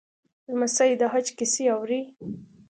لمسی د حج کیسې اوري.